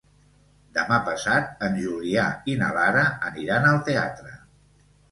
Demà passat en Julià i na Lara aniran al teatre.